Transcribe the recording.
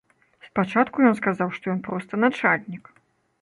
Спачатку ён сказаў, што ён проста начальнік.